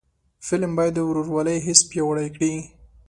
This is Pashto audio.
فلم باید د ورورولۍ حس پیاوړی کړي